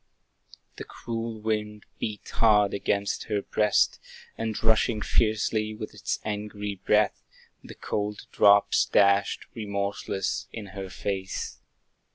The cruel wind beat hard against her breast, And rushing fiercely, with its angry breath, The cold drops dashed, remorseless, in her face.